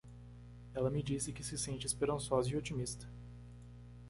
Ela me disse que se sente esperançosa e otimista.